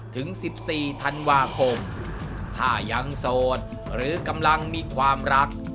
ถึง๑๔ธันวาคมถ้ายังโสดหรือกำลังมีความรัก